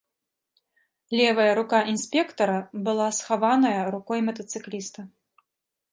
Левая рука інспектара была схаваная рукой матацыкліста.